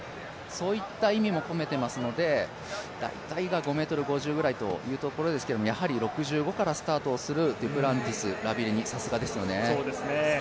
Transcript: そういった意味も込めていますので、大体が５ｍ５０ぐらいというところですがやはり６５からスタートするデュプランティス、ラビレニ、さすがですよね。